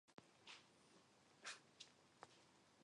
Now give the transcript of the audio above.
Bertos signed a professional contract for the club a day later.